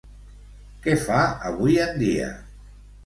Què fa avui en dia?